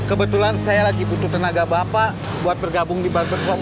kebetulan saya lagi butuh tenaga bapak buat bergabung di barbershop